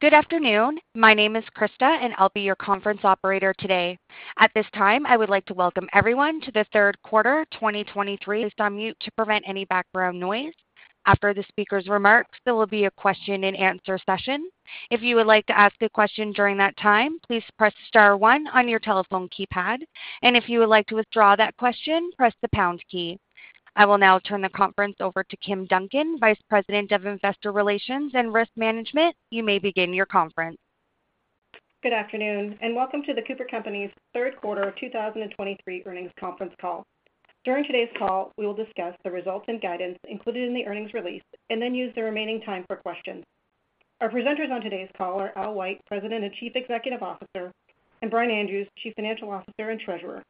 Good afternoon. My name is Krista, and I'll be your conference operator today. At this time, I would like to welcome everyone to the third quarter 2023 on mute to prevent any background noise. After the speaker's remarks, there will be a question and answer session. If you would like to ask a question during that time, please press star one on your telephone keypad, and if you would like to withdraw that question, press the pound key. I will now turn the conference over to Kim Duncan, Vice President of Investor Relations and Risk Management. You may begin your conference. Good afternoon, and welcome to the CooperCompanies' third quarter of 2023 earnings conference call. During today's call, we will discuss the results and guidance included in the earnings release and then use the remaining time for questions. Our presenters on today's call are Al White, President and Chief Executive Officer, and Brian Andrews, Chief Financial Officer and Treasurer.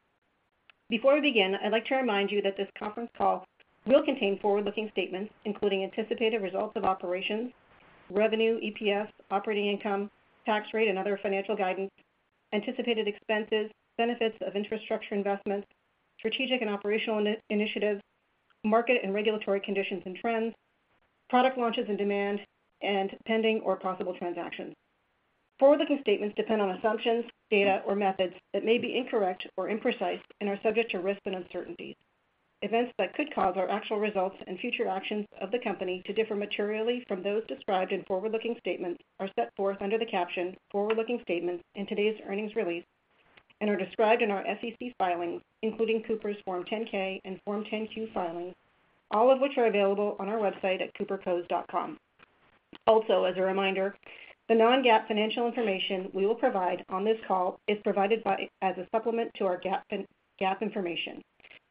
Before we begin, I'd like to remind you that this conference call will contain forward-looking statements, including anticipated results of operations, revenue, EPS, operating income, tax rate, and other financial guidance, anticipated expenses, benefits of infrastructure investments, strategic and operational initiatives, market and regulatory conditions and trends, product launches and demand, and pending or possible transactions. Forward-looking statements depend on assumptions, data, or methods that may be incorrect or imprecise and are subject to risks and uncertainties. Events that could cause our actual results and future actions of the company to differ materially from those described in forward-looking statements are set forth under the caption Forward-Looking Statements in today's earnings release and are described in our SEC filings, including Cooper's Form 10-K and Form 10-Q filings, all of which are available on our website at coopercos.com. Also, as a reminder, the non-GAAP financial information we will provide on this call is provided as a supplement to our GAAP and non-GAAP information.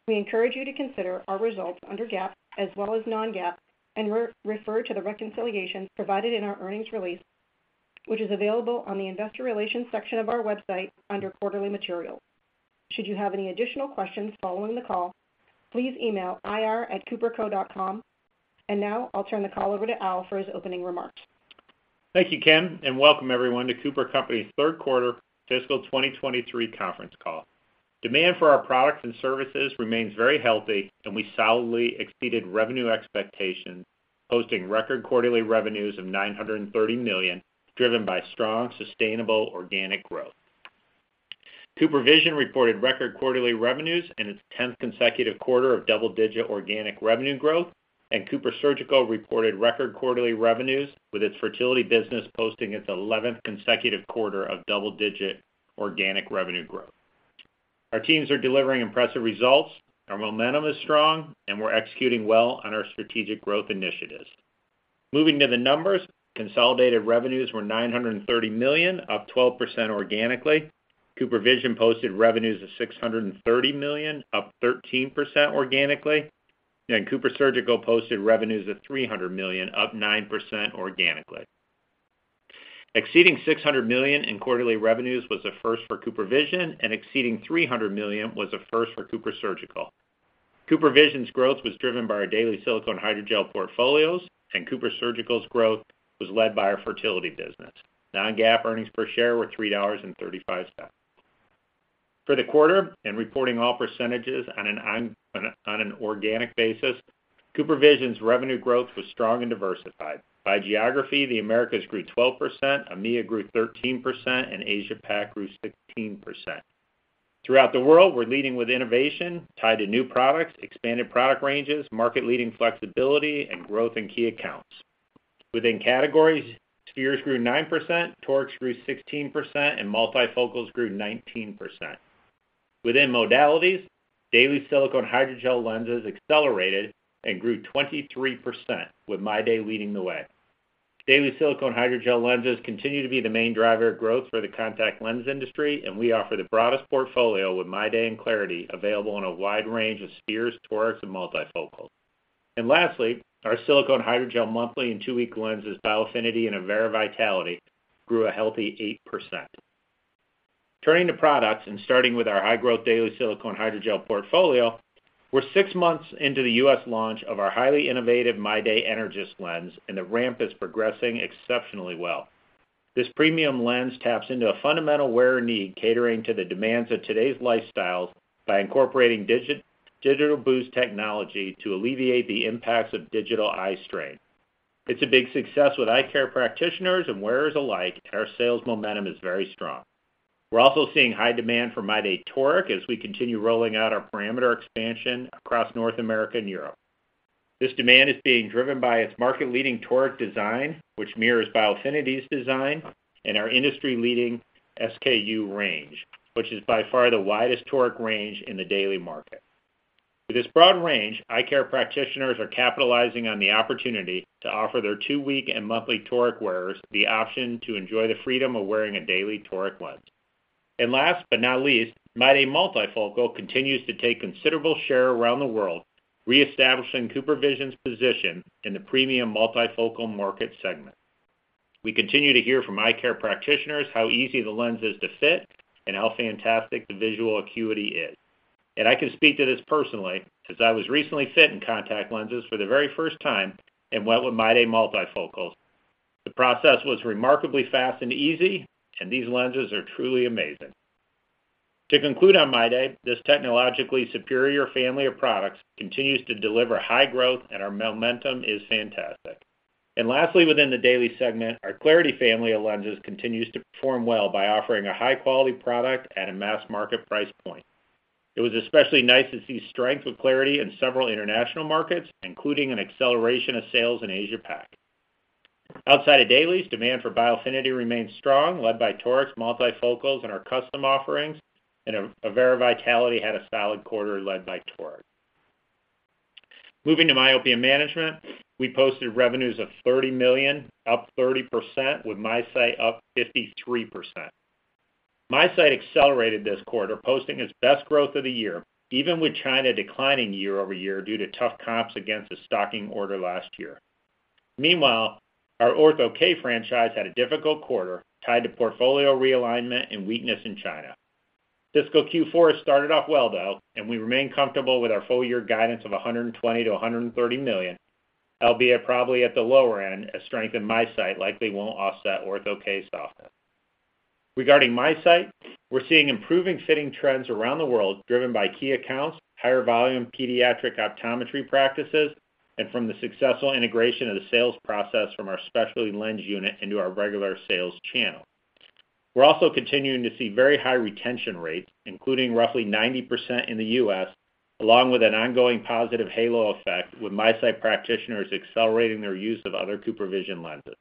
We encourage you to consider our results under GAAP as well as non-GAAP, and refer to the reconciliations provided in our earnings release, which is available on the investor relations section of our website under Quarterly Materials. Should you have any additional questions following the call, please email ir@coopercos.com. Now I'll turn the call over to Al for his opening remarks. Thank you, Kim, and welcome everyone to CooperCompanies' third quarter fiscal 2023 conference call. Demand for our products and services remains very healthy, and we solidly exceeded revenue expectations, posting record quarterly revenues of $930 million, driven by strong, sustainable organic growth. CooperVision reported record quarterly revenues in its 10th consecutive quarter of double-digit organic revenue growth, and CooperSurgical reported record quarterly revenues, with its fertility business posting its 11th consecutive quarter of double-digit organic revenue growth. Our teams are delivering impressive results, our momentum is strong, and we're executing well on our strategic growth initiatives. Moving to the numbers, consolidated revenues were $930 million, up 12% organically. CooperVision posted revenues of $630 million, up 13% organically, and CooperSurgical posted revenues of $300 million, up 9% organically. Exceeding $600 million in quarterly revenues was a first for CooperVision, and exceeding $300 million was a first for CooperSurgical. CooperVision's growth was driven by our daily silicone hydrogel portfolios, and CooperSurgical's growth was led by our fertility business. Non-GAAP earnings per share were $3.35. For the quarter and reporting all percentages on an organic basis, CooperVision's revenue growth was strong and diversified. By geography, the Americas grew 12%, EMEA grew 13%, and Asia Pac grew 16%. Throughout the world, we're leading with innovation tied to new products, expanded product ranges, market-leading flexibility, and growth in key accounts. Within categories, spheres grew 9%, torics grew 16%, and multifocals grew 19%. Within modalities, daily silicone hydrogel lenses accelerated and grew 23%, with MyDay leading the way. Daily silicone hydrogel lenses continue to be the main driver of growth for the contact lens industry, and we offer the broadest portfolio with MyDay and clariti 1 day available in a wide range of spheres, torics, and multifocals. Lastly, our silicone hydrogel monthly and two-week lenses, Biofinity and Avaira Vitality, grew a healthy 8%. Turning to products, and starting with our high-growth daily silicone hydrogel portfolio, we're six months into the U.S. launch of our highly innovative MyDay Energys lens, and the ramp is progressing exceptionally well. This premium lens taps into a fundamental wearer need, catering to the demands of today's lifestyles by incorporating DigitalBoost technology to alleviate the impacts of digital eye strain. It's a big success with eye care practitioners and wearers alike, and our sales momentum is very strong. We're also seeing high demand for MyDay Toric as we continue rolling out our parameter expansion across North America and Europe. This demand is being driven by its market-leading toric design, which mirrors Biofinity's design, and our industry-leading SKU range, which is by far the widest toric range in the daily market. With this broad range, eye care practitioners are capitalizing on the opportunity to offer their two-week and monthly toric wearers the option to enjoy the freedom of wearing a daily toric lens. And last but not least, MyDay Multifocal continues to take considerable share around the world, reestablishing CooperVision's position in the premium multifocal market segment. We continue to hear from eye care practitioners how easy the lens is to fit and how fantastic the visual acuity is. I can speak to this personally, as I was recently fit in contact lenses for the very first time and went with MyDay multifocals. The process was remarkably fast and easy, and these lenses are truly amazing.... To conclude on MyDay, this technologically superior family of products continues to deliver high growth, and our momentum is fantastic. Lastly, within the daily segment, our clariti family of lenses continues to perform well by offering a high-quality product at a mass market price point. It was especially nice to see strength with clariti in several international markets, including an acceleration of sales in Asia Pac. Outside of dailies, demand for Biofinity remains strong, led by torics, multifocals, and our custom offerings, and Avaira Vitality had a solid quarter led by toric. Moving to myopia management, we posted revenues of $30 million, up 30%, with MiSight up 53%. MiSight accelerated this quarter, posting its best growth of the year, even with China declining year over year due to tough comps against a stocking order last year. Meanwhile, our Ortho-K franchise had a difficult quarter tied to portfolio realignment and weakness in China. Fiscal Q4 has started off well, though, and we remain comfortable with our full year guidance of $120 million-$130 million, albeit probably at the lower end, as strength in MiSight likely won't offset Ortho-K softness. Regarding MiSight, we're seeing improving fitting trends around the world, driven by key accounts, higher volume pediatric optometry practices, and from the successful integration of the sales process from our specialty lens unit into our regular sales channel. We're also continuing to see very high retention rates, including roughly 90% in the U.S., along with an ongoing positive halo effect, with MiSight practitioners accelerating their use of other CooperVision lenses.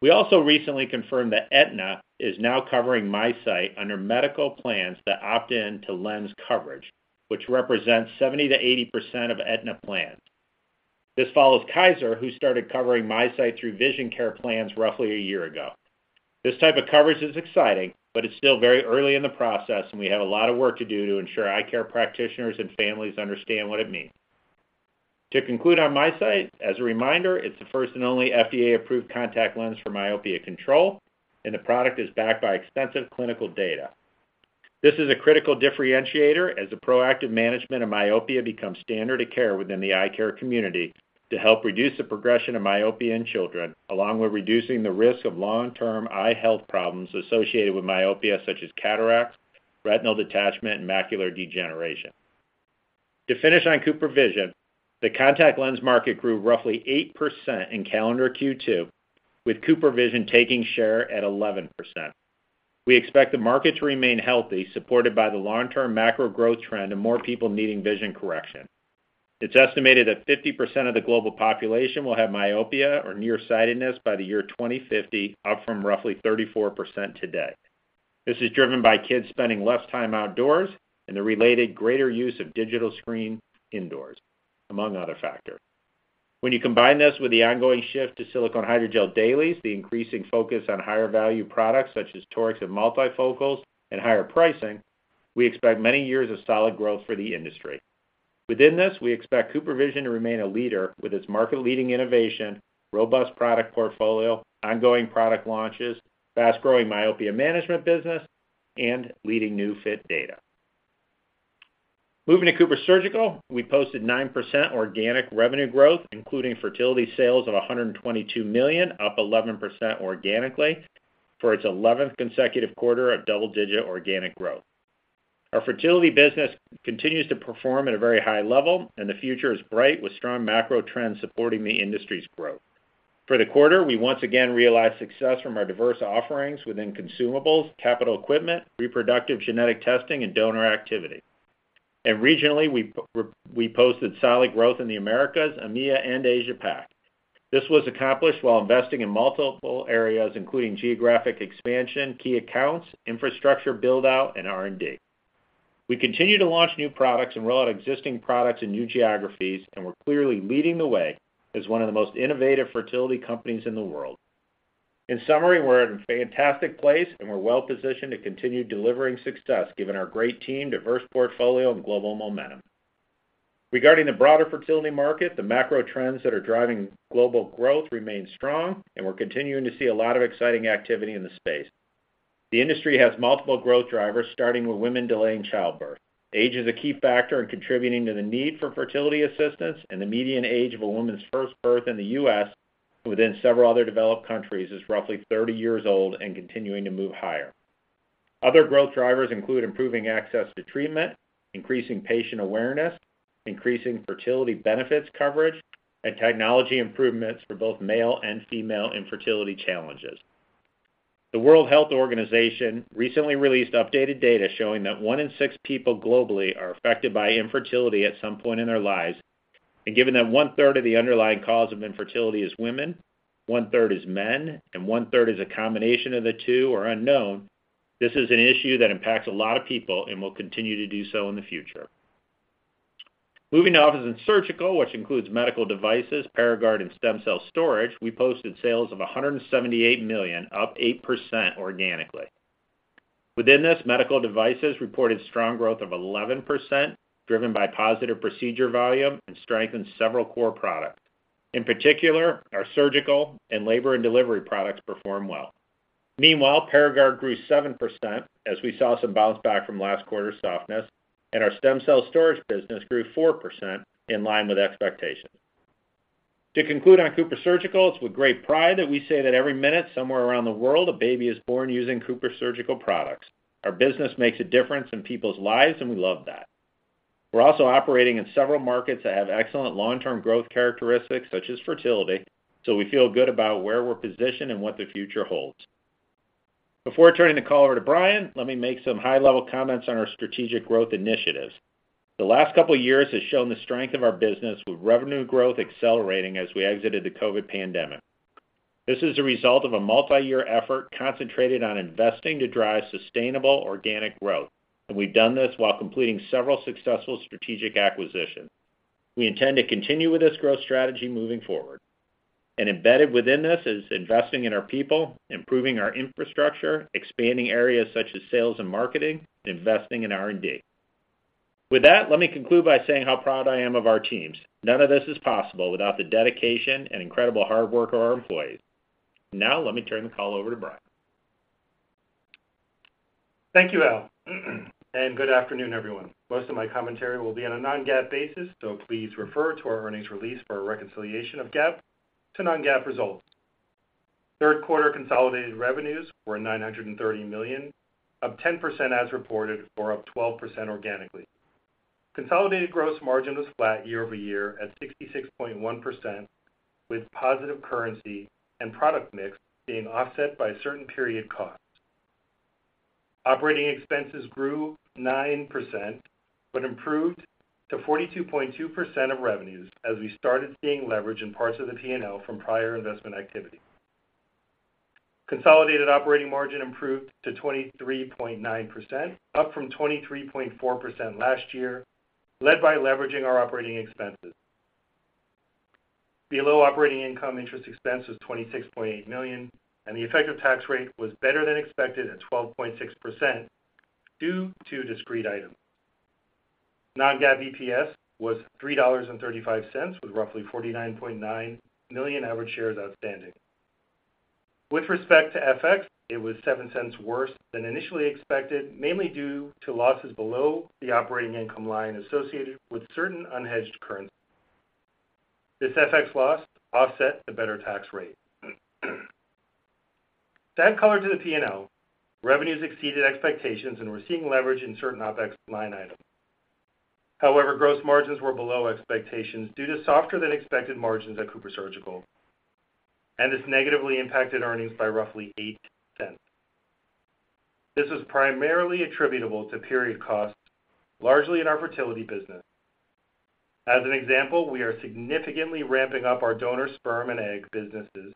We also recently confirmed that Aetna is now covering MiSight under medical plans that opt in to lens coverage, which represents 70%-80% of Aetna plans. This follows Kaiser, who started covering MiSight through vision care plans roughly a year ago. This type of coverage is exciting, but it's still very early in the process, and we have a lot of work to do to ensure eye care practitioners and families understand what it means. To conclude on MiSight, as a reminder, it's the first and only FDA-approved contact lens for myopia control, and the product is backed by extensive clinical data. This is a critical differentiator as the proactive management of myopia becomes standard of care within the eye care community to help reduce the progression of myopia in children, along with reducing the risk of long-term eye health problems associated with myopia, such as cataracts, retinal detachment, and macular degeneration. To finish on CooperVision, the contact lens market grew roughly 8% in calendar Q2, with CooperVision taking share at 11%. We expect the market to remain healthy, supported by the long-term macro growth trend and more people needing vision correction. It's estimated that 50% of the global population will have myopia or nearsightedness by the year 2050, up from roughly 34% today. This is driven by kids spending less time outdoors and the related greater use of digital screen indoors, among other factors. When you combine this with the ongoing shift to silicone hydrogel dailies, the increasing focus on higher value products such as torics and multifocals and higher pricing, we expect many years of solid growth for the industry. Within this, we expect CooperVision to remain a leader with its market-leading innovation, robust product portfolio, ongoing product launches, fast-growing myopia management business, and leading new fit data. Moving to CooperSurgical, we posted 9% organic revenue growth, including fertility sales of $122 million, up 11% organically for its eleventh consecutive quarter of double-digit organic growth. Our fertility business continues to perform at a very high level, and the future is bright, with strong macro trends supporting the industry's growth. For the quarter, we once again realized success from our diverse offerings within consumables, capital equipment, reproductive genetic testing, and donor activity. And regionally, we posted solid growth in the Americas, EMEA, and Asia Pac. This was accomplished while investing in multiple areas, including geographic expansion, key accounts, infrastructure build-out, and R&D. We continue to launch new products and roll out existing products in new geographies, and we're clearly leading the way as one of the most innovative fertility companies in the world. In summary, we're in a fantastic place, and we're well positioned to continue delivering success, given our great team, diverse portfolio, and global momentum. Regarding the broader fertility market, the macro trends that are driving global growth remain strong, and we're continuing to see a lot of exciting activity in the space. The industry has multiple growth drivers, starting with women delaying childbirth. Age is a key factor in contributing to the need for fertility assistance, and the median age of a woman's first birth in the U.S. within several other developed countries is roughly 30 years old and continuing to move higher. Other growth drivers include improving access to treatment, increasing patient awareness, increasing fertility benefits coverage, and technology improvements for both male and female infertility challenges. The World Health Organization recently released updated data showing that one in six people globally are affected by infertility at some point in their lives. Given that 1/3 of the underlying cause of infertility is women, 1/3 is men, and 1/3 is a combination of the two or unknown, this is an issue that impacts a lot of people and will continue to do so in the future. Moving to Office and Surgical, which includes medical devices, Paragard, and stem cell storage, we posted sales of $178 million, up 8% organically. Within this, medical devices reported strong growth of 11%, driven by positive procedure volume and strength in several core products. In particular, our surgical and labor and delivery products performed well. Meanwhile, Paragard grew 7%, as we saw some bounce back from last quarter's softness, and our stem cell storage business grew 4% in line with expectations.... To conclude on CooperSurgical, it's with great pride that we say that every minute, somewhere around the world, a baby is born using CooperSurgical products. Our business makes a difference in people's lives, and we love that. We're also operating in several markets that have excellent long-term growth characteristics, such as fertility, so we feel good about where we're positioned and what the future holds. Before turning the call over to Brian, let me make some high-level comments on our strategic growth initiatives. The last couple of years has shown the strength of our business, with revenue growth accelerating as we exited the COVID pandemic. This is a result of a multi-year effort concentrated on investing to drive sustainable organic growth, and we've done this while completing several successful strategic acquisitions. We intend to continue with this growth strategy moving forward, and embedded within this is investing in our people, improving our infrastructure, expanding areas such as sales and marketing, and investing in R&D. With that, let me conclude by saying how proud I am of our teams. None of this is possible without the dedication and incredible hard work of our employees. Now, let me turn the call over to Brian. Thank you, Al, and good afternoon, everyone. Most of my commentary will be on a non-GAAP basis, so please refer to our earnings release for a reconciliation of GAAP to non-GAAP results. Third quarter consolidated revenues were $930 million, up 10% as reported, or up 12% organically. Consolidated gross margin was flat year over year at 66.1%, with positive currency and product mix being offset by certain period costs. Operating expenses grew 9%, but improved to 42.2% of revenues as we started seeing leverage in parts of the P&L from prior investment activity. Consolidated operating margin improved to 23.9%, up from 23.4% last year, led by leveraging our operating expenses. Below operating income, interest expense was $26.8 million, and the effective tax rate was better than expected at 12.6% due to discrete items. Non-GAAP EPS was $3.35, with roughly 49.9 million average shares outstanding. With respect to FX, it was $0.07 worse than initially expected, mainly due to losses below the operating income line associated with certain unhedged currency. This FX loss offset the better tax rate. To add color to the P&L, revenues exceeded expectations, and we're seeing leverage in certain OpEx line items. However, gross margins were below expectations due to softer-than-expected margins at CooperSurgical, and this negatively impacted earnings by roughly $0.08. This was primarily attributable to period costs, largely in our fertility business. As an example, we are significantly ramping up our donor sperm and egg businesses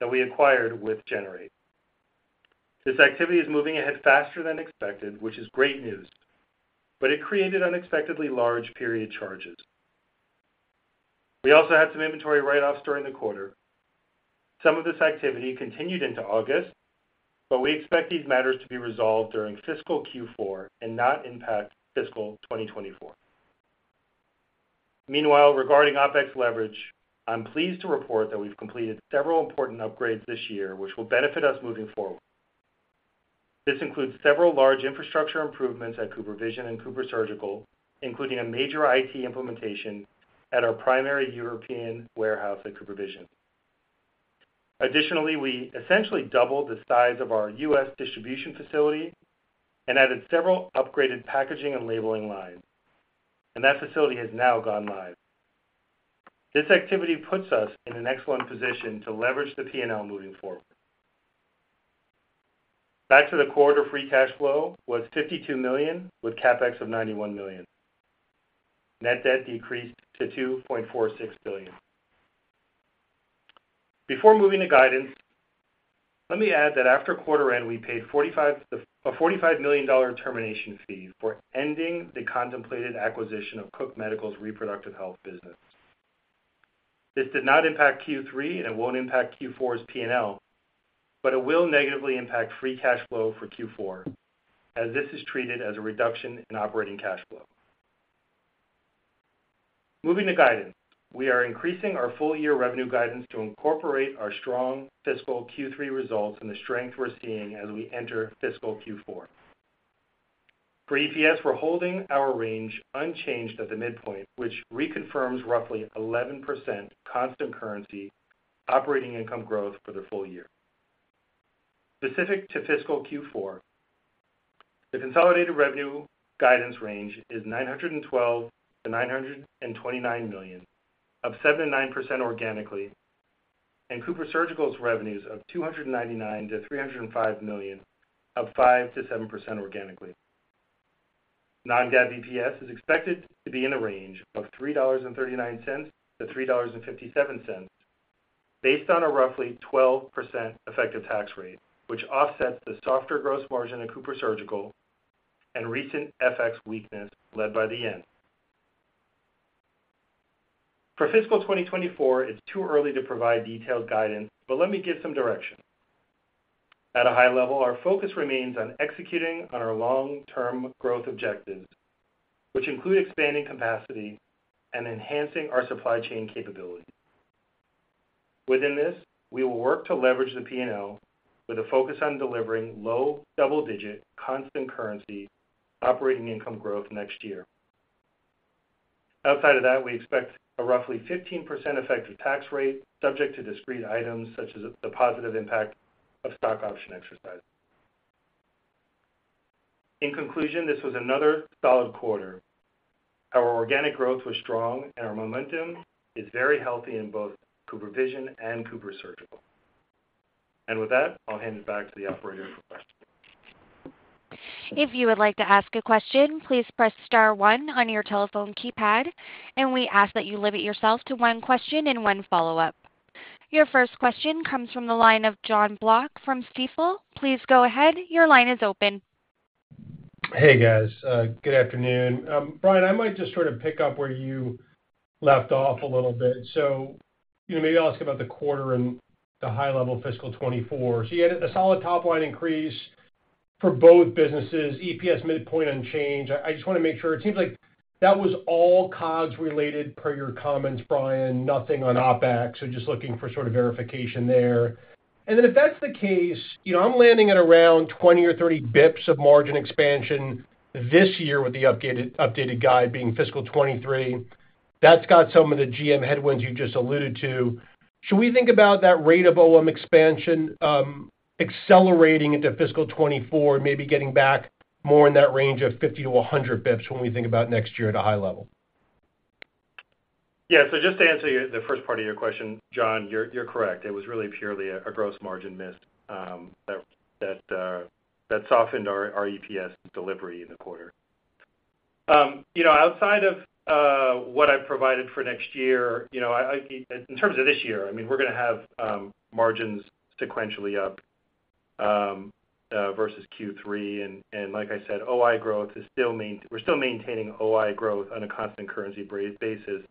that we acquired with Generate. This activity is moving ahead faster than expected, which is great news, but it created unexpectedly large period charges. We also had some inventory write-offs during the quarter. Some of this activity continued into August, but we expect these matters to be resolved during fiscal Q4 and not impact fiscal 2024. Meanwhile, regarding OpEx leverage, I'm pleased to report that we've completed several important upgrades this year, which will benefit us moving forward. This includes several large infrastructure improvements at CooperVision and CooperSurgical, including a major IT implementation at our primary European warehouse at CooperVision. Additionally, we essentially doubled the size of our U.S. distribution facility and added several upgraded packaging and labeling lines, and that facility has now gone live. This activity puts us in an excellent position to leverage the P&L moving forward. Back to the quarter, free cash flow was $52 million, with CapEx of $91 million. Net debt decreased to $2.46 billion. Before moving to guidance, let me add that after quarter end, we paid a $45 million termination fee for ending the contemplated acquisition of Cook Medical's reproductive health business. This did not impact Q3, and it won't impact Q4's P&L, but it will negatively impact free cash flow for Q4, as this is treated as a reduction in operating cash flow. Moving to guidance, we are increasing our full-year revenue guidance to incorporate our strong fiscal Q3 results and the strength we're seeing as we enter fiscal Q4. For EPS, we're holding our range unchanged at the midpoint, which reconfirms roughly 11% constant currency operating income growth for the full year. Specific to fiscal Q4, the consolidated revenue guidance range is $912 million-$929 million, up 7%-9% organically, and CooperSurgical's revenues of $299 million-$305 million, up 5%-7% organically. Non-GAAP EPS is expected to be in a range of $3.39-$3.57, based on a roughly 12% effective tax rate, which offsets the softer gross margin at CooperSurgical and recent FX weakness led by the yen. For fiscal 2024, it's too early to provide detailed guidance, but let me give some direction. At a high level, our focus remains on executing on our long-term growth objectives, which include expanding capacity and enhancing our supply chain capability.... Within this, we will work to leverage the P&L with a focus on delivering low double-digit constant currency operating income growth next year. Outside of that, we expect a roughly 15% effective tax rate, subject to discrete items such as the positive impact of stock option exercises. In conclusion, this was another solid quarter. Our organic growth was strong, and our momentum is very healthy in both CooperVision and CooperSurgical. And with that, I'll hand it back to the operator for questions. If you would like to ask a question, please press star one on your telephone keypad, and we ask that you limit yourself to one question and one follow-up. Your first question comes from the line of John Block from Stifel. Please go ahead, your line is open. Hey, guys, good afternoon. Brian, I might just sort of pick up where you left off a little bit. So, you know, maybe I'll ask about the quarter and the high-level fiscal 2024. So you had a solid top line increase for both businesses, EPS midpoint unchanged. I just want to make sure. It seems like that was all COGS related per your comments, Brian, nothing on OpEx. So just looking for sort of verification there. And then if that's the case, you know, I'm landing at around 20 or 30 bps of margin expansion this year with the updated guide being fiscal 2023. That's got some of the GM headwinds you just alluded to. Should we think about that rate of OM expansion, accelerating into fiscal 2024, maybe getting back more in that range of 50-100 basis points when we think about next year at a high level? Yeah. So just to answer your, the first part of your question, John, you're correct. It was really purely a gross margin miss that softened our EPS delivery in the quarter. You know, outside of what I've provided for next year, you know, in terms of this year, I mean, we're going to have margins sequentially up versus Q3. And like I said, we're still maintaining OI growth on a constant currency basis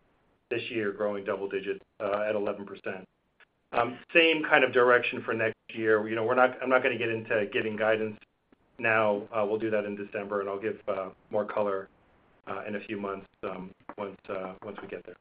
this year, growing double digits at 11%. Same kind of direction for next year. You know, I'm not going to get into giving guidance now. We'll do that in December, and I'll give more color in a few months once we get there.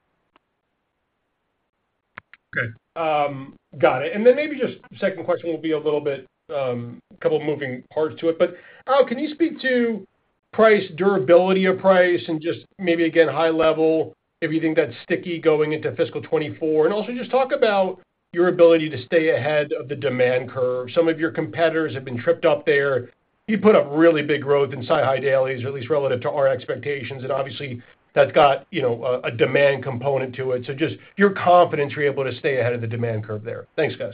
Okay. Got it. And then maybe just second question will be a little bit, a couple of moving parts to it. But, Al, can you speak to price, durability of price, and just maybe, again, high level, if you think that's sticky going into fiscal 2024? And also just talk about your ability to stay ahead of the demand curve. Some of your competitors have been tripped up there. You put up really big growth in SiHy dailies, at least relative to our expectations, and obviously, that's got, you know, a demand component to it. So just your confidence you're able to stay ahead of the demand curve there. Thanks, guys.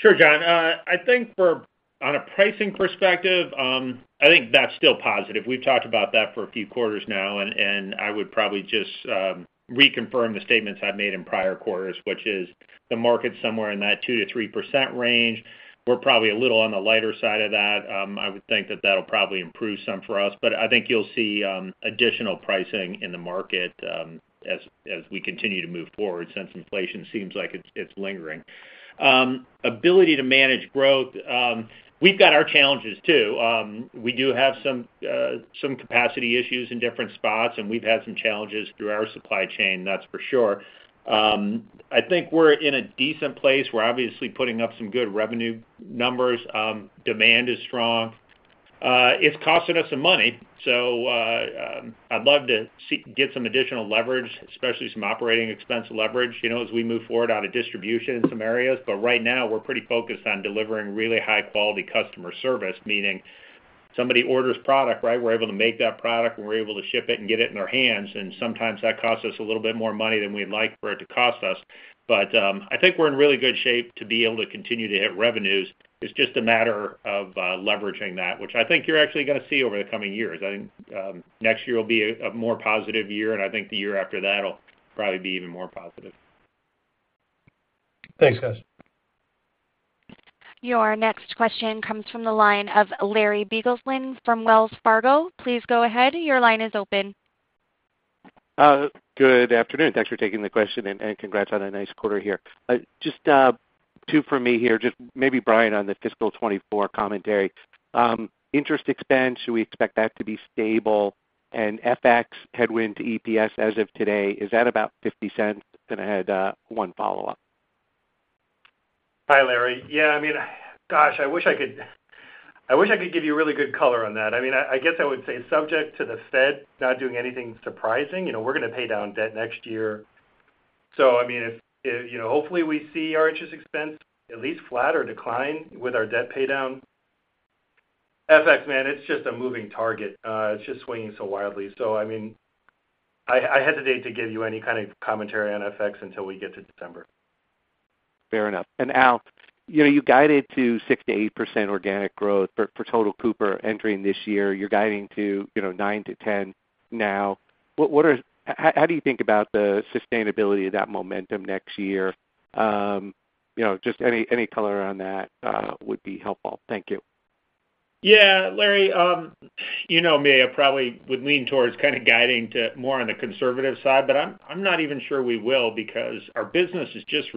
Sure, John. I think for, on a pricing perspective, I think that's still positive. We've talked about that for a few quarters now, and, and I would probably just reconfirm the statements I've made in prior quarters, which is the market's somewhere in that 2%-3% range. We're probably a little on the lighter side of that. I would think that that'll probably improve some for us, but I think you'll see additional pricing in the market as we continue to move forward, since inflation seems like it's lingering. Ability to manage growth, we've got our challenges, too. We do have some some capacity issues in different spots, and we've had some challenges through our supply chain, that's for sure. I think we're in a decent place. We're obviously putting up some good revenue numbers. Demand is strong. It's costing us some money, so I'd love to get some additional leverage, especially some operating expense leverage, you know, as we move forward out of distribution in some areas. But right now, we're pretty focused on delivering really high-quality customer service, meaning somebody orders product, right? We're able to make that product, and we're able to ship it and get it in their hands, and sometimes that costs us a little bit more money than we'd like for it to cost us. But I think we're in really good shape to be able to continue to hit revenues. It's just a matter of leveraging that, which I think you're actually going to see over the coming years. I think, next year will be a more positive year, and I think the year after that will probably be even more positive. Thanks, guys. Your next question comes from the line of Lawrence H. Biegelsen from Wells Fargo. Please go ahead. Your line is open. Good afternoon. Thanks for taking the question, and congrats on a nice quarter here. Just two for me here, just maybe, Brian, on the fiscal 2024 commentary. Interest expense, should we expect that to be stable? And FX headwind to EPS as of today, is that about $0.50? Then I had one follow-up. Hi, Larry. Yeah, I mean, gosh, I wish I could, I wish I could give you a really good color on that. I mean, I guess I would say subject to the Fed not doing anything surprising, you know, we're going to pay down debt next year. So I mean, if you know, hopefully, we see our interest expense at least flat or decline with our debt paydown. FX, man, it's just a moving target. It's just swinging so wildly. So I mean, I hesitate to give you any kind of commentary on FX until we get to December. Fair enough. Al, you know, you guided to 6%-8% organic growth for total Cooper entering this year. You're guiding to, you know, 9%-10% now. What are... How do you think about the sustainability of that momentum next year? You know, just any color on that would be helpful. Thank you. Yeah, Larry, you know me, I probably would lean towards kind of guiding to more on the conservative side, but I'm not even sure we will, because our business is just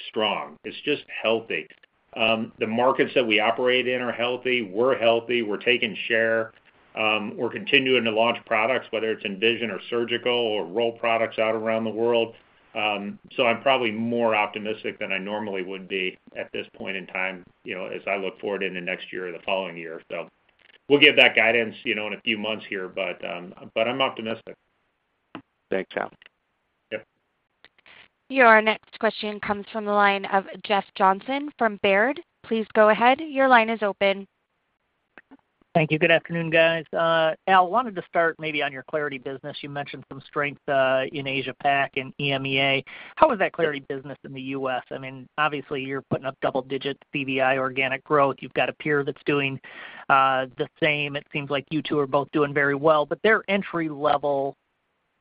remaining strong. It's just healthy. The markets that we operate in are healthy, we're healthy, we're taking share, we're continuing to launch products, whether it's in vision or surgical or roll products out around the world. So I'm probably more optimistic than I normally would be at this point in time, you know, as I look forward into next year or the following year. So we'll give that guidance, you know, in a few months here, but, but I'm optimistic. Thanks, Al. Yep. Your next question comes from the line of Jeff Johnson from Baird. Please go ahead. Your line is open. Thank you. Good afternoon, guys. Al, wanted to start maybe on your clariti business. You mentioned some strength in Asia Pac and EMEA. How is that clariti business in the U.S.? I mean, obviously, you're putting up double digit CVI organic growth. You've got a peer that's doing the same. It seems like you two are both doing very well, but their entry-level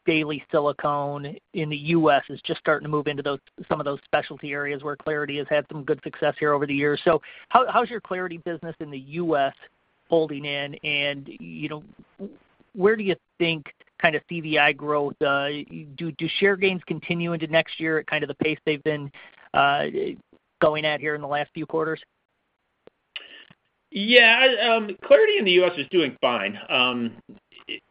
daily silicone in the U.S. is just starting to move into some of those specialty areas where clariti has had some good success here over the years. So how's your clariti business in the U.S. holding in? And, you know, where do you think kind of CVI growth do share gains continue into next year at kind of the pace they've been going at here in the last few quarters? Yeah, clariti in the U.S. is doing fine.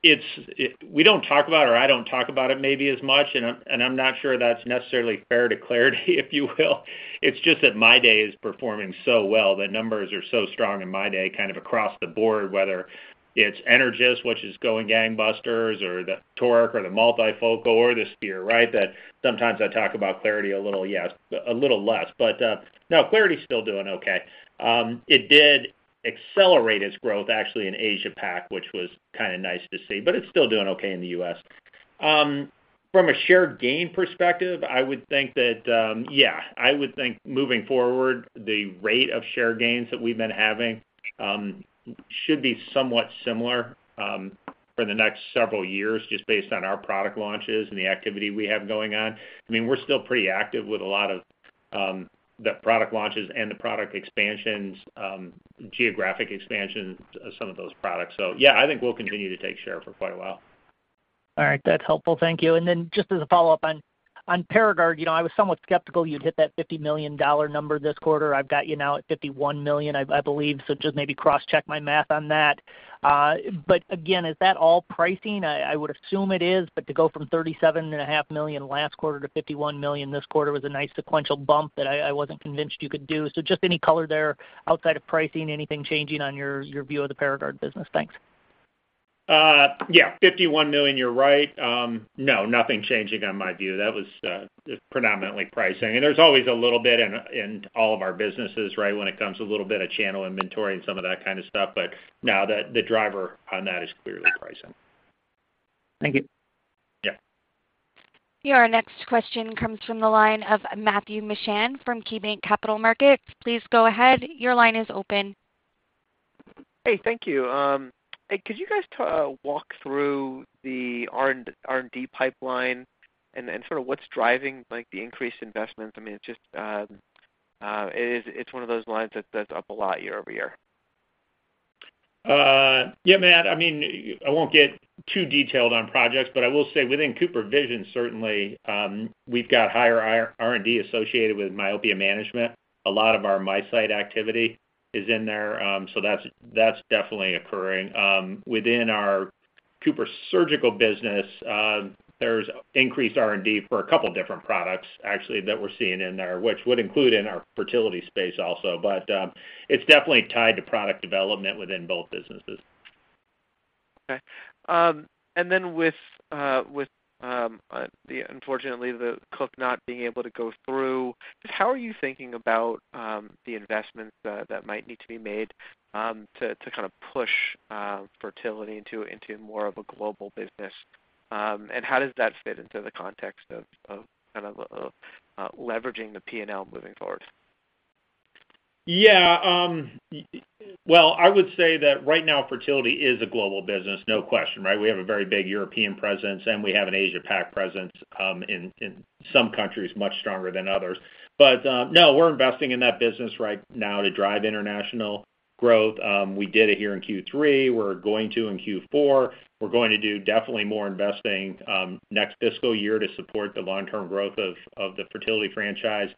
We don't talk about, or I don't talk about it maybe as much, and I, and I'm not sure that's necessarily fair to clariti, if you will. It's just that MyDay is performing so well, the numbers are so strong in MyDay, kind of across the board, whether it's Energys, which is going gangbusters, or the Toric, or the multifocal, or the Sphere, right? That sometimes I talk about clariti a little, yes, a little less. But, no, clariti is still doing okay. It did accelerate its growth, actually, in Asia Pac, which was kind of nice to see, but it's still doing okay in the U.S. From a share gain perspective, I would think that, yeah, I would think moving forward, the rate of share gains that we've been having should be somewhat similar for the next several years, just based on our product launches and the activity we have going on. I mean, we're still pretty active with a lot of the product launches and the product expansions, geographic expansion of some of those products. So yeah, I think we'll continue to take share for quite a while. All right. That's helpful. Thank you. And then just as a follow-up on Paragard, you know, I was somewhat skeptical you'd hit that $50 million number this quarter. I've got you now at $51 million, I believe, so just maybe cross-check my math on that. But again, is that all pricing? I would assume it is, but to go from $37.5 million last quarter to $51 million this quarter was a nice sequential bump that I wasn't convinced you could do. So just any color there outside of pricing, anything changing on your view of the Paragard business? Thanks. Yeah, $51 million, you're right. No, nothing changing on my view. That was predominantly pricing. And there's always a little bit in all of our businesses, right? When it comes to a little bit of channel inventory and some of that kind of stuff. But no, the driver on that is clearly pricing. Thank you. Yeah. Your next question comes from the line of Matthew Mishan from KeyBanc Capital Markets. Please go ahead. Your line is open. Hey, thank you. Hey, could you guys walk through the R&D pipeline and sort of what's driving, like, the increased investment? I mean, it's just, it's one of those lines that's up a lot year over year. Yeah, Matt, I mean, I won't get too detailed on projects, but I will say within CooperVision, certainly, we've got higher R&D associated with myopia management. A lot of our MiSight activity is in there, so that's, that's definitely occurring. Within our CooperSurgical business, there's increased R&D for a couple different products, actually, that we're seeing in there, which would include in our fertility space also. But, it's definitely tied to product development within both businesses. Okay. And then with the unfortunately, the Cook not being able to go through, just how are you thinking about the investments that might need to be made to kind of push fertility into more of a global business? And how does that fit into the context of kind of leveraging the P&L moving forward? Yeah, well, I would say that right now, fertility is a global business, no question, right? We have a very big European presence, and we have an Asia Pac presence, in some countries, much stronger than others. But, no, we're investing in that business right now to drive international growth. We did it here in Q3, we're going to in Q4. We're going to do definitely more investing, next fiscal year to support the long-term growth of the fertility franchise.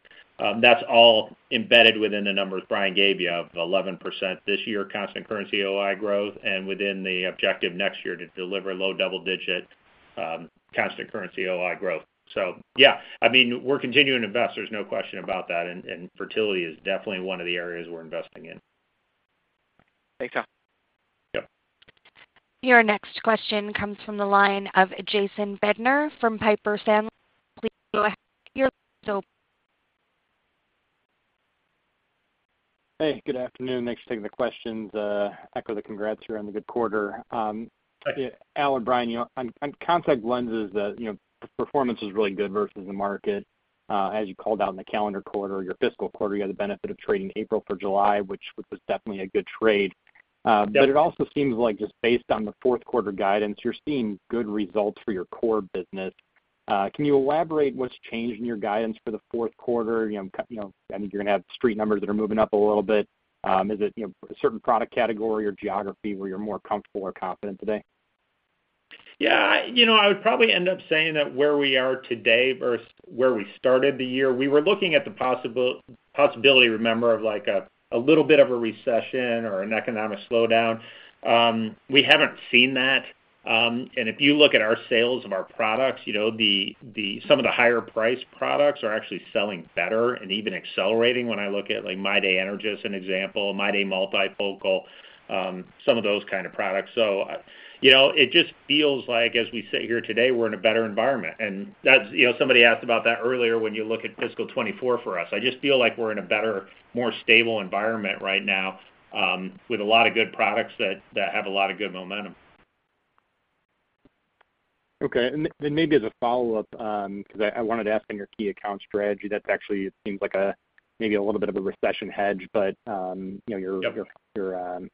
That's all embedded within the numbers Brian gave you of 11% this year, constant currency OI growth, and within the objective next year to deliver low double-digit constant currency OI growth. So yeah, I mean, we're continuing to invest, there's no question about that, and fertility is definitely one of the areas we're investing in. Thanks, Al. Yep. Your next question comes from the line of Jason Bednar from Piper Sandler. Please go ahead, your line is open. Hey, good afternoon. Thanks for taking the questions. Echo the congrats here on the good quarter. Thank you. Al and Brian, you know, on contact lenses, you know, the performance is really good versus the market. As you called out in the calendar quarter, your fiscal quarter, you had the benefit of trading April for July, which was definitely a good trade. Yep. But it also seems like just based on the fourth quarter guidance, you're seeing good results for your core business. Can you elaborate what's changed in your guidance for the fourth quarter? You know, you know, I mean, you're going to have street numbers that are moving up a little bit. Is it, you know, a certain product category or geography where you're more comfortable or confident today? Yeah, I, you know, I would probably end up saying that where we are today versus where we started the year, we were looking at the possibility, remember, of like a little bit of a recession or an economic slowdown. We haven't seen that. And if you look at our sales of our products, you know, some of the higher priced products are actually selling better and even accelerating when I look at, like, MyDay Energys, an example, MyDay Multifocal, some of those kind of products. So, you know, it just feels like as we sit here today, we're in a better environment. And that's, you know, somebody asked about that earlier, when you look at fiscal 2024 for us. I just feel like we're in a better, more stable environment right now, with a lot of good products that have a lot of good momentum. Okay. And then maybe as a follow-up, because I wanted to ask on your key account strategy, that actually seems like a maybe a little bit of a recession hedge. But, you know, your- Yep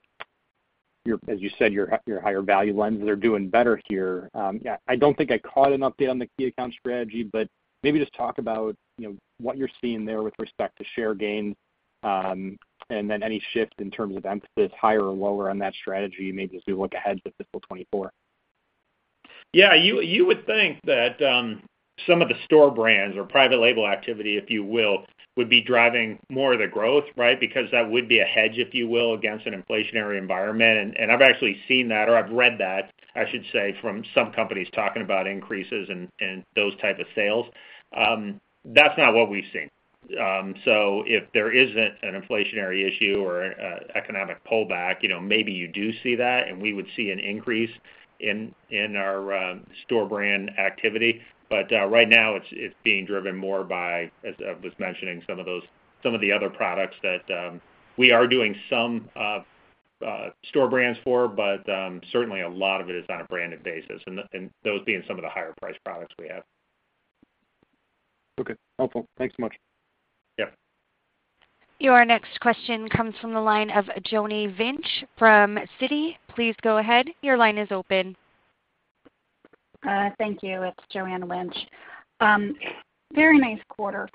Your, as you said, your higher value lenses are doing better here. Yeah, I don't think I caught an update on the key account strategy, but maybe just talk about, you know, what you're seeing there with respect to share gain, and then any shift in terms of emphasis, higher or lower on that strategy, maybe as we look ahead to fiscal 2024. Yeah, you would think that some of the store brands or private label activity, if you will, would be driving more of the growth, right? Because that would be a hedge, if you will, against an inflationary environment. I've actually seen that, or I've read that, I should say, from some companies talking about increases in those type of sales. That's not what we've seen. So if there isn't an inflationary issue or economic pullback, you know, maybe you do see that, and we would see an increase in our store brand activity. But right now, it's being driven more by, as I was mentioning, some of those, some of the other products that we are doing some store brands for, but certainly a lot of it is on a branded basis, and those being some of the higher priced products we have. Okay. Helpful. Thanks so much. Yep. Your next question comes from the line of Joanne Wuensch from Citi. Please go ahead. Your line is open. Thank you. It's Joanne Wuensch. Very nice quarter.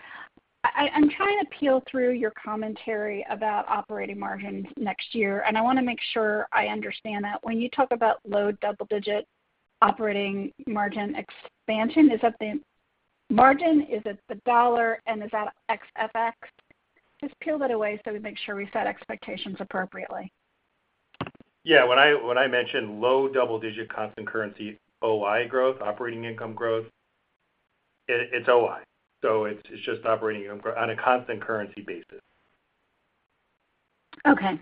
I'm trying to peel through your commentary about operating margins next year, and I want to make sure I understand that. When you talk about low double-digit operating margin expansion, is that the margin? Is it the dollar, and is that ex FX? Just peel that away so we make sure we set expectations appropriately. Yeah. When I mention low double-digit constant currency OI growth, operating income growth, it's OI, so it's just operating income on a constant currency basis. Okay.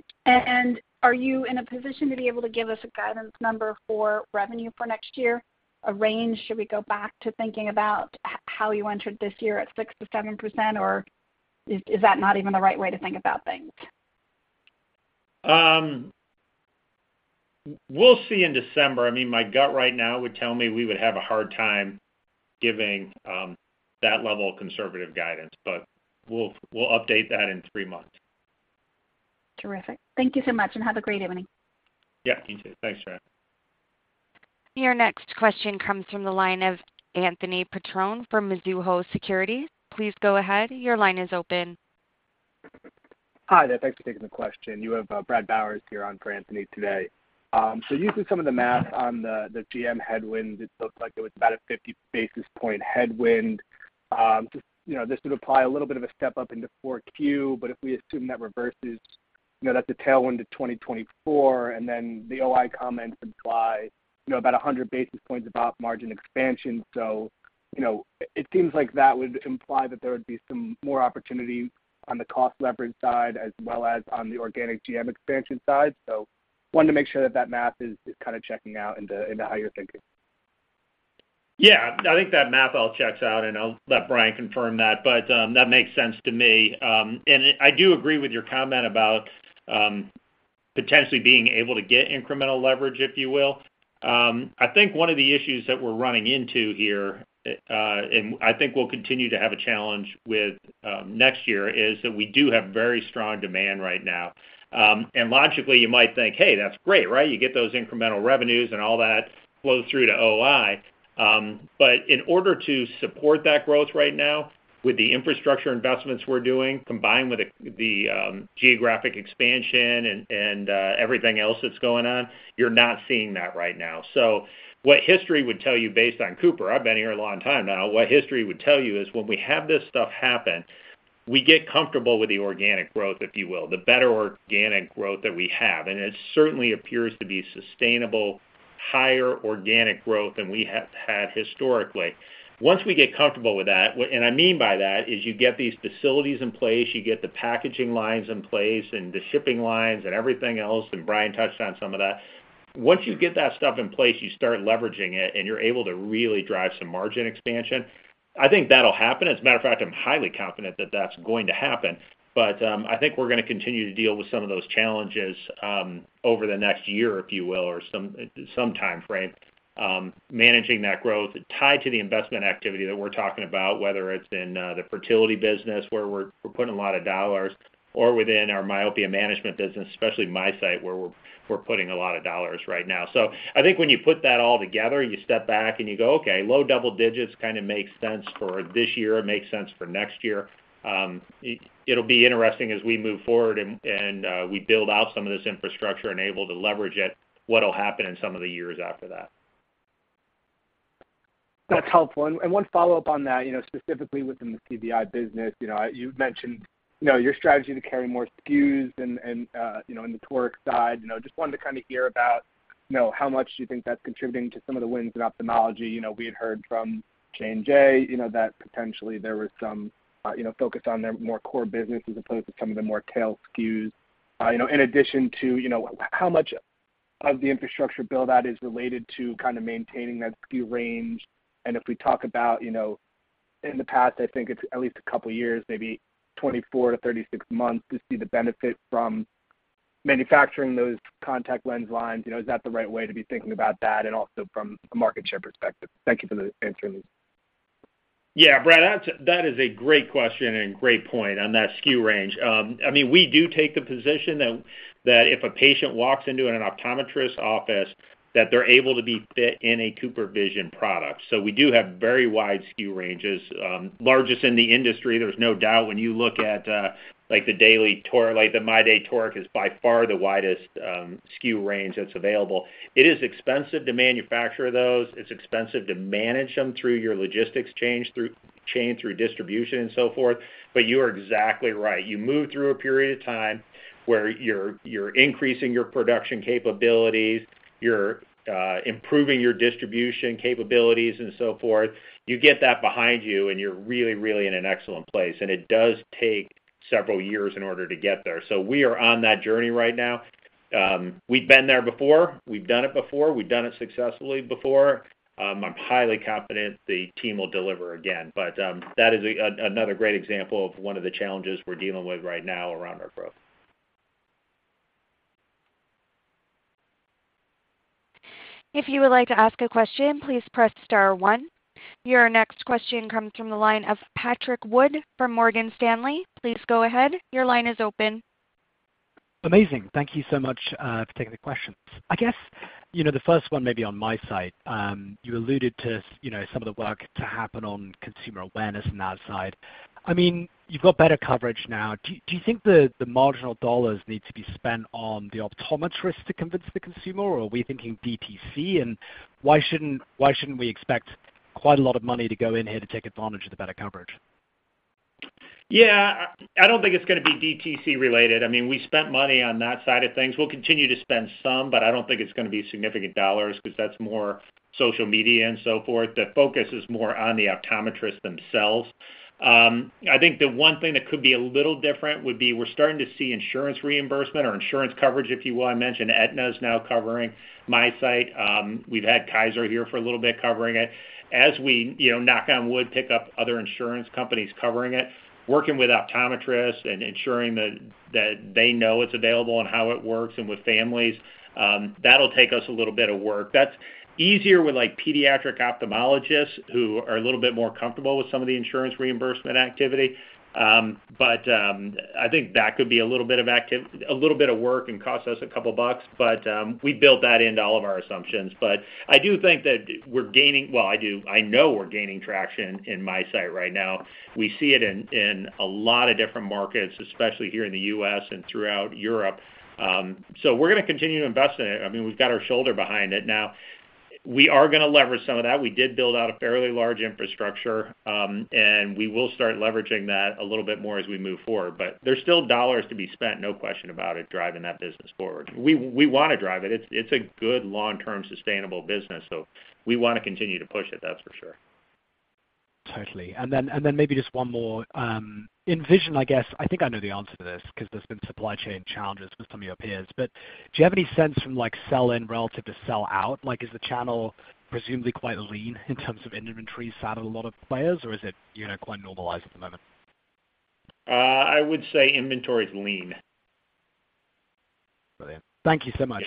Are you in a position to be able to give us a guidance number for revenue for next year? A range? Should we go back to thinking about how you entered this year at 6%-7%, or is that not even the right way to think about things? We'll see in December. I mean, my gut right now would tell me we would have a hard time giving that level of conservative guidance, but we'll update that in three months. Terrific. Thank you so much, and have a great evening. Yeah, you too. Thanks, Joanne. Your next question comes from the line of Anthony Petrone from Mizuho Securities. Please go ahead. Your line is open. Hi there. Thanks for taking the question. You have, Brad Bowers here on for Anthony today. So using some of the math on the, the GM headwind, it looks like it was about a 50 basis point headwind. Just, you know, this would apply a little bit of a step up into 4Q, but if we assume that reverses, you know, that's a tailwind to 2024, and then the OI comments imply, you know, about 100 basis points above margin expansion. So, you know, it, it seems like that would imply that there would be some more opportunity on the cost leverage side, as well as on the organic GM expansion side. So wanted to make sure that that math is kind of checking out into, into how you're thinking. Yeah, I think that math all checks out, and I'll let Brian confirm that, but that makes sense to me. And I do agree with your comment about potentially being able to get incremental leverage, if you will. I think one of the issues that we're running into here, and I think we'll continue to have a challenge with next year, is that we do have very strong demand right now. And logically, you might think, "Hey, that's great," right? You get those incremental revenues, and all that flows through to OI. But in order to support that growth right now, with the infrastructure investments we're doing, combined with the geographic expansion and everything else that's going on, you're not seeing that right now. So, what history would tell you based on Cooper, I've been here a long time now, what history would tell you is when we have this stuff happen, we get comfortable with the organic growth, if you will, the better organic growth that we have. And it certainly appears to be sustainable, higher organic growth than we have had historically. Once we get comfortable with that, what... And I mean by that is you get these facilities in place, you get the packaging lines in place, and the shipping lines and everything else, and Brian touched on some of that. Once you get that stuff in place, you start leveraging it, and you're able to really drive some margin expansion. I think that'll happen. As a matter of fact, I'm highly confident that that's going to happen, but I think we're going to continue to deal with some of those challenges over the next year, if you will, or some time frame. Managing that growth tied to the investment activity that we're talking about, whether it's in the fertility business, where we're putting a lot of dollars, or within our myopia management business, especially MiSight, where we're putting a lot of dollars right now. So I think when you put that all together, you step back and you go, "Okay, low double digits kind of makes sense for this year. It makes sense for next year." It'll be interesting as we move forward and we build out some of this infrastructure and able to leverage it, what'll happen in some of the years after that? That's helpful. And one follow-up on that, you know, specifically within the CVI business, you know, you've mentioned, you know, your strategy to carry more SKUs and you know, in the Toric side. You know, just wanted to kind of hear about, you know, how much do you think that's contributing to some of the wins in ophthalmology? You know, we had heard from J&J, you know, that potentially there was some, you know, focus on their more core business as opposed to some of the more tail SKUs. You know, in addition to, you know, how much of the infrastructure build-out is related to kind of maintaining that SKU range? If we talk about, you know, in the past, I think it's at least a couple of years, maybe 24-36 months to see the benefit from manufacturing those contact lens lines, you know, is that the right way to be thinking about that and also from a market share perspective? Thank you for the answering these. Yeah, Brad, that's, that is a great question and great point on that SKU range. I mean, we do take the position that if a patient walks into an optometrist office, that they're able to be fit in a CooperVision product. So we do have very wide SKU ranges, largest in the industry. There's no doubt when you look at, like, the daily Toric—like, the MyDay Toric is by far the widest SKU range that's available. It is expensive to manufacture those. It's expensive to manage them through your logistics chain, through distribution and so forth. But you are exactly right. You move through a period of time where you're increasing your production capabilities, you're improving your distribution capabilities and so forth. You get that behind you, and you're really, really in an excellent place, and it does take several years in order to get there. So we are on that journey right now. We've been there before. We've done it before. We've done it successfully before. I'm highly confident the team will deliver again, but that is another great example of one of the challenges we're dealing with right now around our growth. If you would like to ask a question, please press star one. Your next question comes from the line of Patrick Wood from Morgan Stanley. Please go ahead. Your line is open. Amazing. Thank you so much for taking the questions. I guess, you know, the first one may be on my side. You alluded to, you know, some of the work to happen on consumer awareness on that side. I mean, you've got better coverage now. Do you think the marginal dollars need to be spent on the optometrists to convince the consumer, or are we thinking DTC? And why shouldn't we expect quite a lot of money to go in here to take advantage of the better coverage? Yeah, I don't think it's gonna be DTC related. I mean, we spent money on that side of things. We'll continue to spend some, but I don't think it's gonna be significant dollars because that's more social media and so forth. The focus is more on the optometrists themselves. I think the one thing that could be a little different would be we're starting to see insurance reimbursement or insurance coverage, if you will. I mentioned Aetna is now covering MiSight. We've had Kaiser here for a little bit, covering it. As we, you know, knock on wood, pick up other insurance companies covering it, working with optometrists and ensuring that they know it's available and how it works and with families, that'll take us a little bit of work. That's easier with, like, pediatric ophthalmologists who are a little bit more comfortable with some of the insurance reimbursement activity. But, I think that could be a little bit of work and cost us a couple of bucks, but, we built that into all of our assumptions. But I do think that we're gaining... Well, I do, I know we're gaining traction in MiSight right now. We see it in a lot of different markets, especially here in the U.S. and throughout Europe. So we're gonna continue to invest in it. I mean, we've got our shoulder behind it. Now, we are gonna leverage some of that. We did build out a fairly large infrastructure, and we will start leveraging that a little bit more as we move forward. But there's still dollars to be spent, no question about it, driving that business forward. We, we wanna drive it. It's, it's a good long-term, sustainable business, so we wanna continue to push it, that's for sure. Totally. And then, and then maybe just one more. In vision, I guess, I think I know the answer to this because there's been supply chain challenges with some of your peers. But do you have any sense from, like, sell-in relative to sell-out? Like, is the channel presumably quite lean in terms of inventory side of a lot of players, or is it, you know, quite normalized at the moment? I would say inventory is lean. Brilliant. Thank you so much.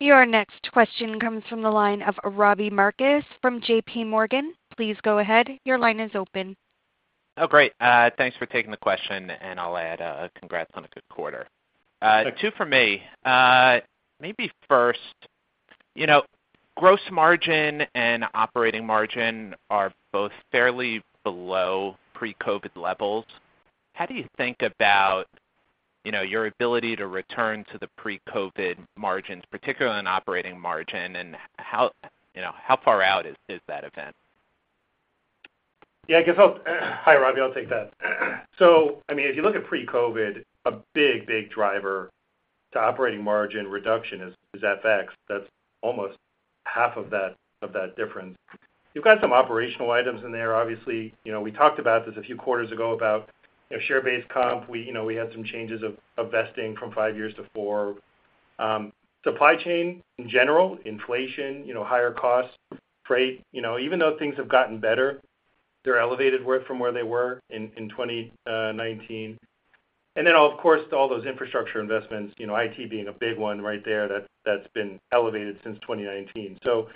Yeah. Your next question comes from the line of Robbie Marcus from JPMorgan. Please go ahead. Your line is open. Oh, great. Thanks for taking the question, and I'll add a congrats on a good quarter. Two for me. Maybe first, you know, gross margin and operating margin are both fairly below pre-COVID levels. How do you think about, you know, your ability to return to the pre-COVID margins, particularly on operating margin, and how, you know, how far out is that event? Yeah, I guess I'll— Hi, Robbie, I'll take that. So, I mean, if you look at pre-COVID, a big, big driver to operating margin reduction is FX. That's almost half of that difference. You've got some operational items in there. Obviously, you know, we talked about this a few quarters ago, about, you know, share-based comp. We, you know, we had some changes of vesting from five years to four. Supply chain, in general, inflation, you know, higher costs, freight, you know, even though things have gotten better, they're elevated from where they were in 2019. And then, of course, all those infrastructure investments, you know, IT being a big one right there, that's been elevated since 2019. So,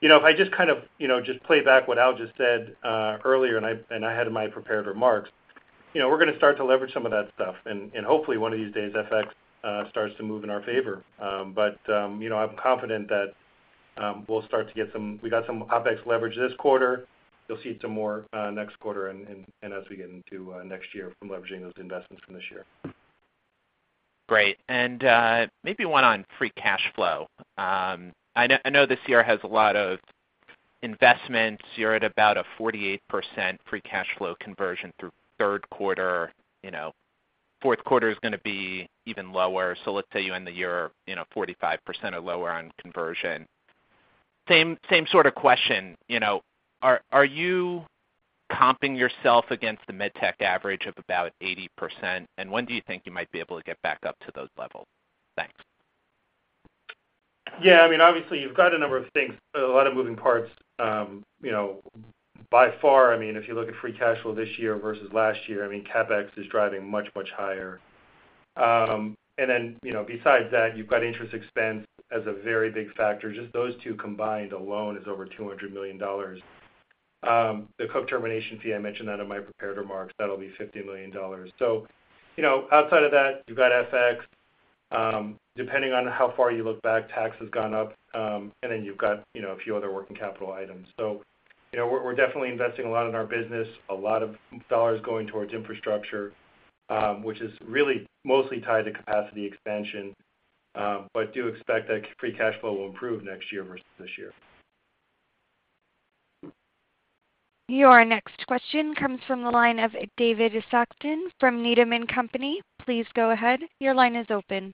you know, if I just kind of, you know, just play back what Al just said earlier, and I had in my prepared remarks, you know, we're gonna start to leverage some of that stuff, and hopefully, one of these days, FX starts to move in our favor. But you know, I'm confident that we'll start to get some. We got some OpEx leverage this quarter. You'll see some more next quarter and as we get into next year from leveraging those investments from this year. Great. And, maybe one on free cash flow. I know, I know this year has a lot of investments. You're at about a 48% free cash flow conversion through third quarter, you know, fourth quarter is gonna be even lower. So let's say you end the year, you know, 45% or lower on conversion. Same, same sort of question, you know, are, are you comping yourself against the medtech average of about 80%? And when do you think you might be able to get back up to those levels? Thanks. Yeah, I mean, obviously, you've got a number of things, a lot of moving parts. You know, by far, I mean, if you look at free cash flow this year versus last year, I mean, CapEx is driving much, much higher. And then, you know, besides that, you've got interest expense as a very big factor. Just those two combined alone is over $200 million. The Cook termination fee, I mentioned that in my prepared remarks, that'll be $50 million. So, you know, outside of that, you've got FX. Depending on how far you look back, tax has gone up, and then you've got, you know, a few other working capital items. So, you know, we're definitely investing a lot in our business, a lot of dollars going towards infrastructure, which is really mostly tied to capacity expansion, but do expect that free cash flow will improve next year versus this year. Your next question comes from the line of David Saxon from Needham & Company. Please go ahead. Your line is open.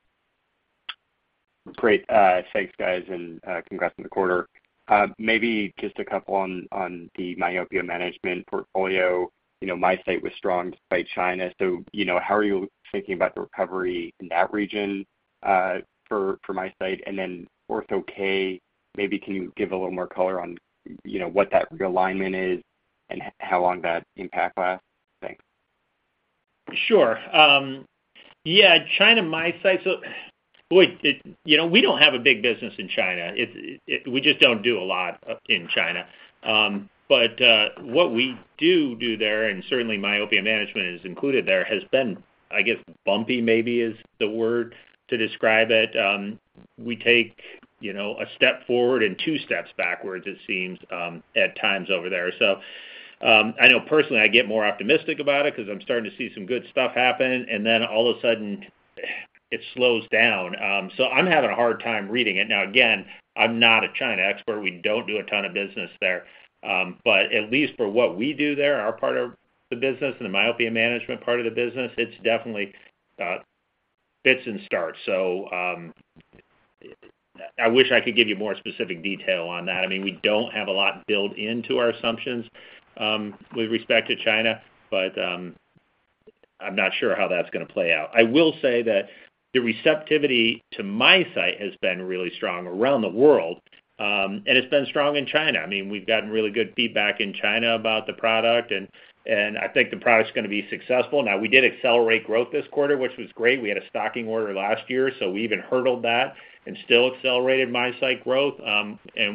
Great. Thanks, guys, and congrats on the quarter. Maybe just a couple on the myopia management portfolio. You know, MiSight was strong despite China. So, you know, how are you thinking about the recovery in that region for MiSight? And then Ortho-K, maybe can you give a little more color on what that realignment is and how long that impact lasts? Thanks. Sure. Yeah, China MiSight. So, boy, it—you know, we don't have a big business in China. It, we just don't do a lot in China. But, what we do there, and certainly myopia management is included there, has been, I guess, bumpy, maybe is the word to describe it. We take, you know, a step forward and two steps backwards, it seems, at times over there. So, I know personally, I get more optimistic about it 'cause I'm starting to see some good stuff happen, and then all of a sudden, it slows down. So I'm having a hard time reading it. Now, again, I'm not a China expert. We don't do a ton of business there. But at least for what we do there, our part of the business and the myopia management part of the business, it's definitely fits and starts. So, I wish I could give you more specific detail on that. I mean, we don't have a lot built into our assumptions with respect to China, but, I'm not sure how that's gonna play out. I will say that the receptivity to MiSight has been really strong around the world, and it's been strong in China. I mean, we've gotten really good feedback in China about the product, and I think the product's gonna be successful. Now, we did accelerate growth this quarter, which was great. We had a stocking order last year, so we even hurdled that and still accelerated MiSight growth.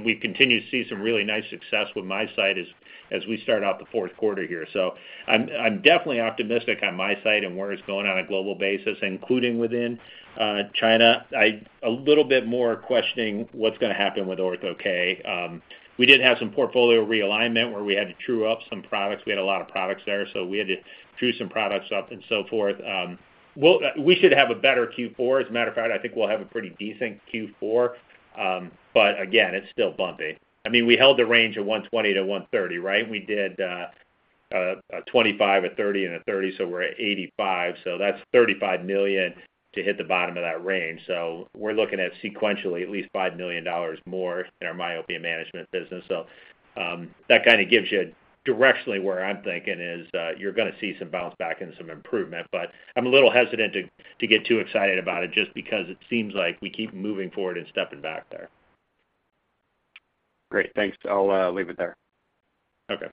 We continue to see some really nice success with MiSight as we start out the fourth quarter here. So I'm definitely optimistic on MiSight and where it's going on a global basis, including within China. A little bit more questioning what's gonna happen with Ortho-K. We did have some portfolio realignment, where we had to true up some products. We had a lot of products there, so we had to true some products up and so forth. Well, we should have a better Q4. As a matter of fact, I think we'll have a pretty decent Q4. But again, it's still bumpy. I mean, we held the range of 120-130, right? We did a 25, a 30, and a 30, so we're at 85. So that's $35 million to hit the bottom of that range. So we're looking at sequentially, at least $5 million more in our myopia management business. So, that kinda gives you directionally where I'm thinking is, you're gonna see some bounce back and some improvement, but I'm a little hesitant to get too excited about it just because it seems like we keep moving forward and stepping back there. Great. Thanks. I'll leave it there. Okay.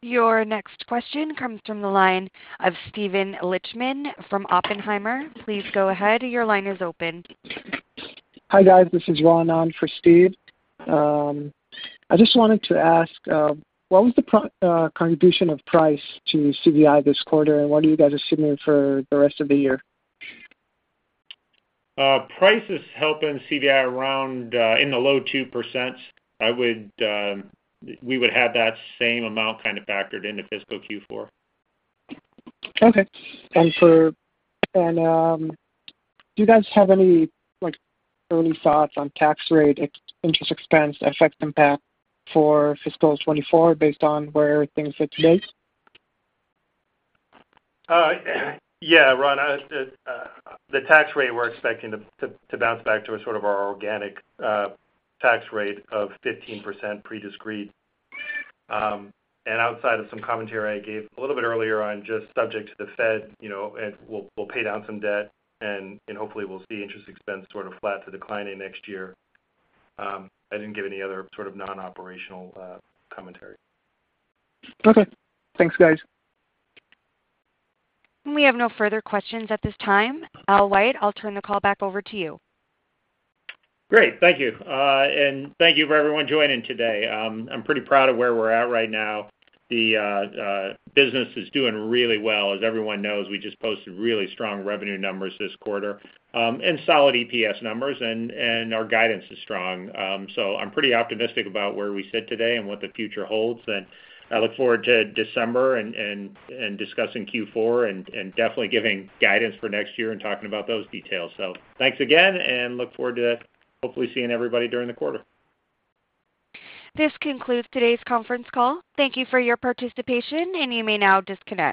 Your next question comes from the line of Steven Lichtman from Oppenheimer. Please go ahead. Your line is open. Hi, guys. This is Ron, on for Steve. I just wanted to ask, what was the contribution of price to CVI this quarter, and what are you guys assuming for the rest of the year? Price is helping CVI around in the low 2%. I would, we would have that same amount kinda factored into fiscal Q4. Okay. Do you guys have any, like, early thoughts on tax rate, interest expense, FX impact for fiscal 2024, based on where things sit today? Yeah, Ron, the tax rate, we're expecting to bounce back to a sort of our organic tax rate of 15% pre-discrete. And outside of some commentary I gave a little bit earlier on, just subject to the Fed, you know, and we'll pay down some debt, and hopefully we'll see interest expense sort of flat to declining next year. I didn't give any other sort of non-operational commentary. Okay. Thanks, guys. We have no further questions at this time. Al White, I'll turn the call back over to you. Great, thank you. And thank you for everyone joining today. I'm pretty proud of where we're at right now. The business is doing really well. As everyone knows, we just posted really strong revenue numbers this quarter, and solid EPS numbers, and our guidance is strong. So I'm pretty optimistic about where we sit today and what the future holds, and I look forward to December and discussing Q4, and definitely giving guidance for next year and talking about those details. So thanks again, and look forward to hopefully seeing everybody during the quarter. This concludes today's conference call. Thank you for your participation, and you may now disconnect.